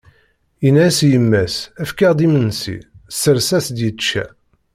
Yenna-as i yemma-s: Efk-as-d imensi, tesres-as-d yečča.